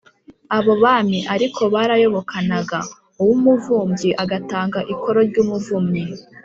abo bami ariko barayobokanaga: uw’umuvubyi agatanga ikoro ry’umuvumyi